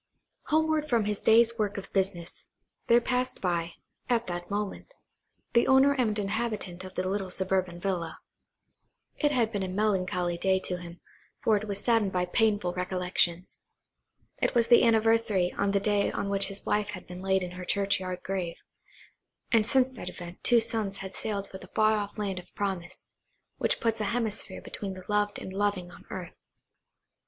Homeward from his day's work of business, there passed by, at that moment, the owner and inhabitant of the little suburban villa. It had been a melancholy day to him, for it was saddened by painful recollections. It was the anniversary of the day on which his wife had been laid in her churchyard grave, and since that event two sons had sailed for the far off land of promise, which puts a hemisphere between the loved and loving on earth.